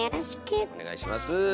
お願いします。